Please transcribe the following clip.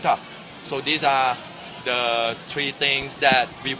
คุณคิดเรื่องนี้ได้ไหม